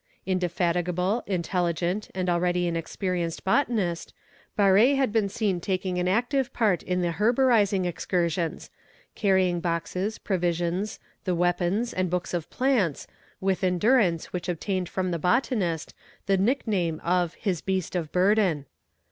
Indefatigable, intelligent, and already an experienced botanist, Barré had been seen taking an active part in the herborising excursions, carrying boxes, provisions, the weapons, and books of plants, with endurance which obtained from the botanist, the nickname of his beast of burden.